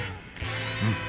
うん。